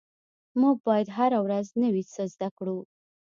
مونږ باید هره ورځ نوي څه زده کړو